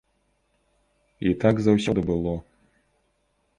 І так заўсёды было!